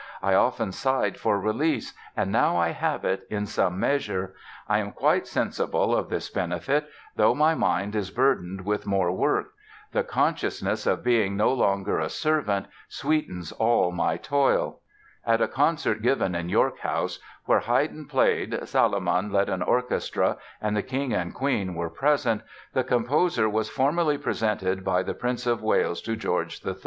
I often sighed for release and now I have it in some measure. I am quite sensible of this benefit, though my mind is burdened with more work. The consciousness of being no longer a servant sweetens all my toil." At a concert given in York House, where Haydn played, Salomon led an orchestra and the King and Queen were present, the composer was formally presented by the Prince of Wales to George III.